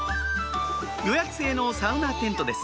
予約制のサウナテントです